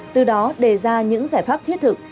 từ đó đề ra những giải pháp thiết thực